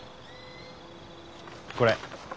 これ。